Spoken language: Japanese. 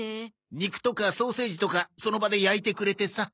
肉とかソーセージとかその場で焼いてくれてさ。